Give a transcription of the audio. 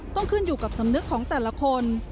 ต้องขึ้นอยู่กับสำนึกของแต่ละคน